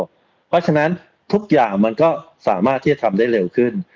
เพราะฉะนั้นทุกอย่างมันก็สามารถที่จะทำได้เร็วขึ้น